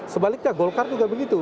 sebaliknya golkar juga begitu